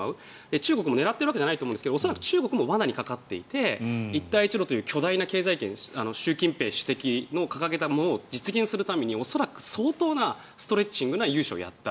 中国も狙っているわけじゃないと思うんですが恐らく中国も罠にかかっていて一帯一路という巨大な経済圏習近平国家主席が掲げたものを実現するために恐らく相当なストレッチングな融資をやった。